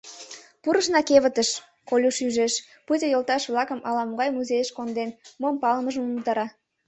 — Пурышна кевытыш, — Колюш ӱжеш, пуйто йолташ-влакым ала-могай музейыш конден, мом палымыжым умылтара.